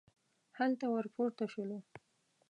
هلته ور پورته شولو.